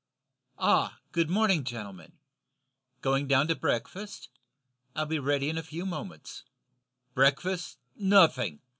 "Ah, good morning, gentlemen. Going down to breakfast? I'll be ready in a few moments." "Breakfast nothing!"